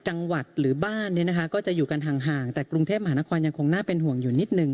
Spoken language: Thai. จังหวัดหรือบ้านเนี่ยนะคะก็จะอยู่กันห่างแต่กรุงเทพมหานครยังคงน่าเป็นห่วงอยู่นิดหนึ่ง